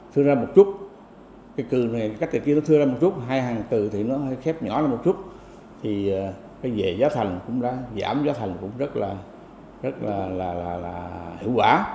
thưa ra một chút cái cừu này cách kia nó thưa ra một chút hai hàng cừu thì nó khép nhỏ ra một chút thì cái về giá thành cũng đã giảm giá thành cũng rất là hiệu quả